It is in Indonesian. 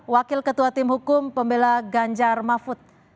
wakil ketua tim hukum pembela ganjar mahfud